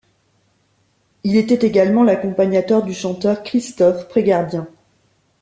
Il était également l'accompagnateur du chanteur Christoph Prégardien.